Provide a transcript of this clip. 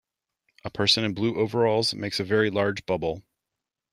A person in blue overalls makes a very large bubble.